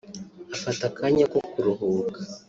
afata akanya ko kuruhuka